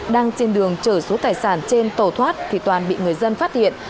đang trên đường chở số tài sản trên tàu thoát thì toàn bị người dân phát hiện